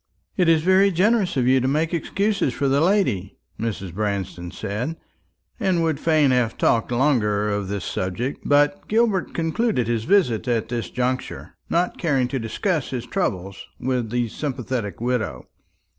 "It is very generous of you to make excuses for the lady," Mrs. Branston said; and would fain have talked longer of this subject, but Gilbert concluded his visit at this juncture, not caring to discuss his troubles with the sympathetic widow.